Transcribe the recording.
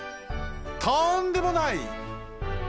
とんでもない！